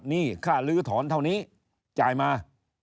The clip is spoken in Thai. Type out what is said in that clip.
หนี้ค่าลื้อถอนเท่านี้จ่ายมา